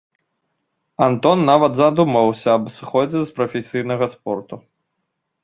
Антон нават задумваўся аб сыходзе з прафесійнага спорту.